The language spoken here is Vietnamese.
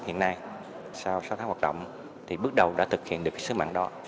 hiện nay sau sáu tháng hoạt động thì bước đầu đã thực hiện được cái sứ mạng đó